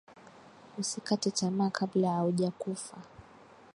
Usikate tamaa kabla auja kufa